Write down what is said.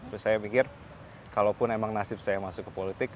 terus saya pikir kalaupun emang nasib saya masuk ke politik